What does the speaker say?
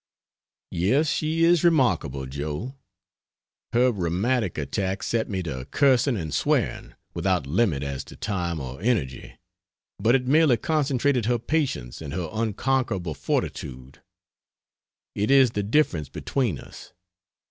Yes, she is remarkable, Joe. Her rheumatic attack set me to cursing and swearing, without limit as to time or energy, but it merely concentrated her patience and her unconquerable fortitude. It is the difference between us.